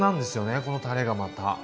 このたれがまた。